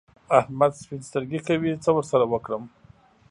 احمد سپين سترګي کوي؛ څه ور سره وکړم؟!